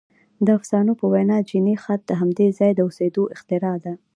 • د افسانو په وینا چیني خط د همدې ځای د اوسېدونکو اختراع دی.